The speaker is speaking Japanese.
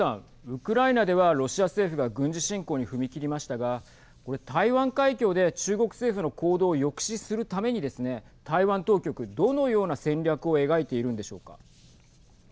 ウクライナではロシア政府が軍事侵攻に踏み切りましたがこれ、台湾海峡で中国政府の行動を抑止するためにですね台湾当局どのような戦略を描いているんでしょうか。